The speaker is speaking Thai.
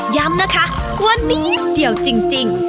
ย้ำนะคะวันนี้เดี่ยวจริง